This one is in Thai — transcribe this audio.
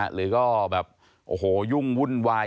หรือก็แบบโอ้โหยุ่งวุ่นวาย